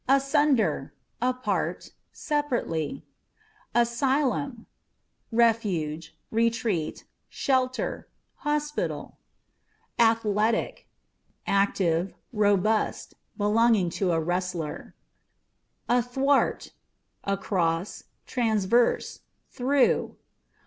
Asunder â€" apart, separately. Asylum â€" refuge, retreat, shelter ; hospital. Athletic â€" active, robust ; belonging to a wrestler. Athwart â€" across, transverse ; through.